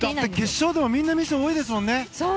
決勝でもみんな、ミスが多いですもんね。